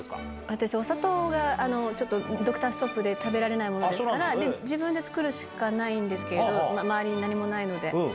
私、お砂糖がちょっとドクターストップで食べられないものですから、自分で作るしかないんですけど、周りに何もないので。